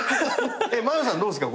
マルさんどうですか？